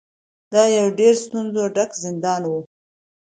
دا یو ډیر ستونزو ډک زندان و.